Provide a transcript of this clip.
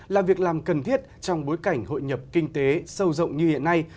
là việc làm cần thiết trong bối cảnh hội nhập kinh tế sâu rộng như hiện nay